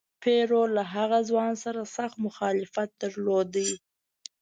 پیرو له هغه ځوان سره سخت مخالفت درلود.